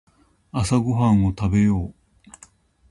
朝ごはんを食べよう。